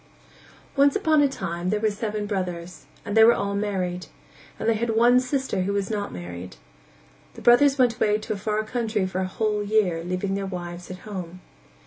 Once upon a time there were seven brothers, and they were all married, and they had one sister who was not married. The brothers went away to a far country for a whole year, leaving their wives at home.